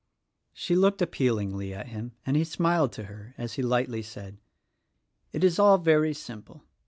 She looked appealingly at him and he smiled to her as he lightly said, "It is all very simple.